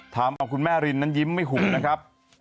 ทำเอาคุณแม่รินนั้นยิ้มไม่ห่วงนะครับ